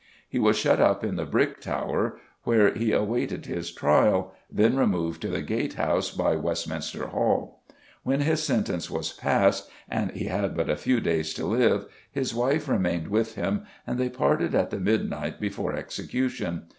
He was shut up in the Brick Tower, where he awaited his trial, then removed to the Gate House, by Westminster Hall. When his sentence was passed and he had but a few days to live, his wife remained with him, and they parted at the midnight before execution.